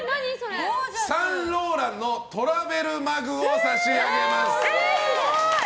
サンローランのトラベルマグを差し上げます。